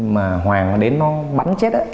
mà hoàng đến nó bắn vào cái làng mà có gây